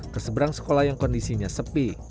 keseberang sekolah yang kondisinya sepi